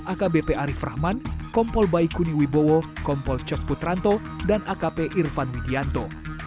akbp arief rahman kompol baikuni wibowo kompol cok putranto dan akp irfan widianto